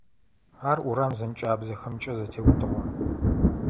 Ар урам зэнкӏабзэхэмкӏэ зэтеутыгъэ.